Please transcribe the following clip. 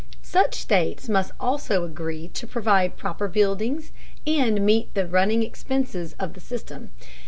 Such states must also agree to provide proper buildings and meet the running expenses of the system.